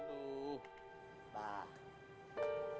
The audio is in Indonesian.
menurut umi ini masih sakit